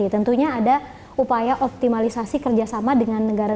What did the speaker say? tentunya ada upaya optimalisasi kerjasama dengan negara negara g dua puluh lainnya